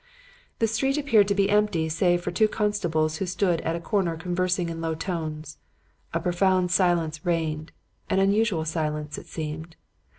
"The street appeared to be empty save for two constables who stood at a corner conversing in low tones. A profound silence reigned an unusual silence, as it seemed!